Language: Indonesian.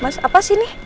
mas apa sih ini